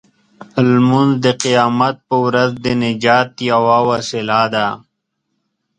لمونځ د قیامت په ورځ د نجات یوه وسیله ده.